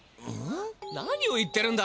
何を言ってるんだ？